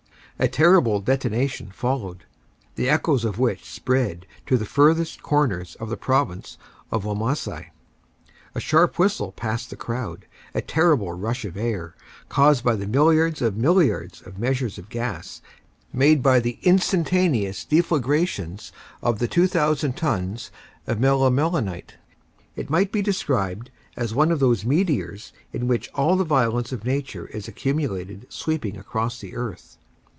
A terrible detonation followed, the echoes of which spread to the furthest corners of the province of Wamasai. A sharp whistle passed the crowd, a terrible rush of air, caused by the milliards of milliards of measures of gas, made by the instantaneous deflagrations of the 2,000 tons of melimelonite. It might be described as one of those meteors in which all the violence of nature is accumulated sweeping across the earth.